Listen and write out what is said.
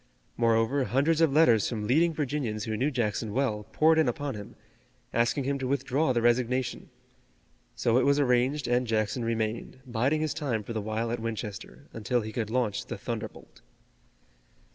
Moreover, hundreds of letters from leading Virginians who knew Jackson well poured in upon him, asking him to withdraw the resignation. So it was arranged and Jackson remained, biding his time for the while at Winchester, until he could launch the thunderbolt.